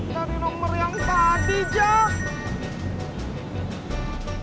dari nomer yang tadi jack